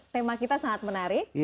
tema kita sangat menarik